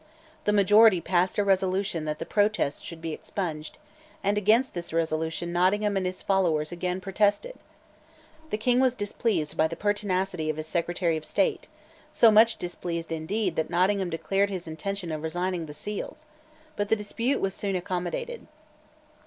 The majority passed a resolution that the protest should be expunged; and against this resolution Nottingham and his followers again protested, The King was displeased by the pertinacity of his Secretary of State; so much displeased indeed that Nottingham declared his intention of resigning the Seals; but the dispute was soon accommodated.